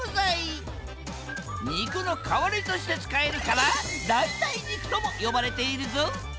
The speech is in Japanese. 肉の代わりとして使えるから代替肉とも呼ばれているぞ！